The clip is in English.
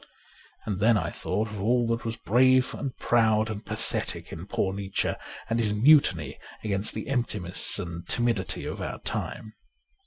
And then I thought of all that was brave and proud and pathetic in poor Nietzsche and his mutiny against the emptiness and timidity of our time.